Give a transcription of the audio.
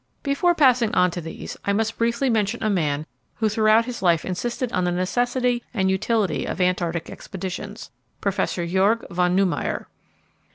Before passing on to these, I must briefly mention a man who throughout his life insisted on the necessity and utility of Antarctic expeditions Professor Georg von Neumayer.